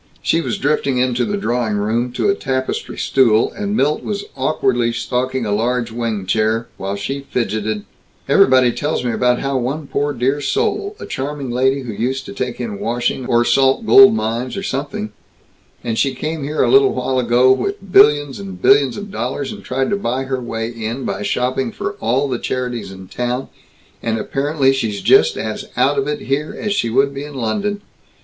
She was drifting into the drawing room, to a tapestry stool, and Milt was awkwardly stalking a large wing chair, while she fidgeted: "Everybody tells me about how one poor dear soul, a charming lady who used to take in washing or salt gold mines or something, and she came here a little while ago with billions and billions of dollars, and tried to buy her way in by shopping for all the charities in town, and apparently she's just as out of it here as she would be in London.